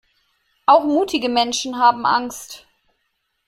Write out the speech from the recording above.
Auch mutige Menschen haben Angst.